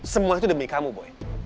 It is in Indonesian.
semua itu demi kamu boy